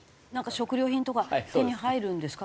食料品とか手に入るんですか？